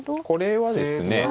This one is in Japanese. これはですね